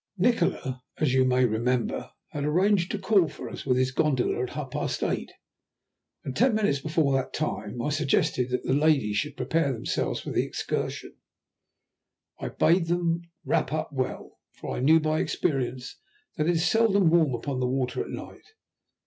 Nikola, as you may remember, had arranged to call for us with his gondola at half past eight, and ten minutes before that time I suggested that the ladies should prepare themselves for the excursion. I bade them wrap up well, for I knew by experience that it is seldom warm upon the water at night.